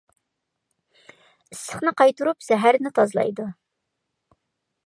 ئىسسىقنى قايتۇرۇپ زەھەرنى تازىلايدۇ.